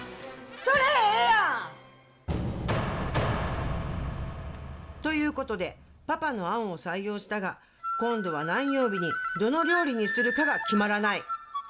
それええやん！ということで、パパの案を採用したが、今度は何曜日にどの料理にするかが決まらない。